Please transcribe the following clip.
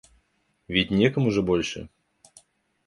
Ведь некому же больше?